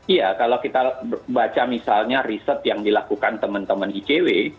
iya kalau kita baca misalnya riset yang dilakukan teman teman icw